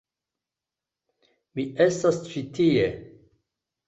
Mi estas ĉi tie.